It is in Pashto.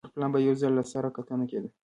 پر پلان به یو ځل له سره کتنه کېده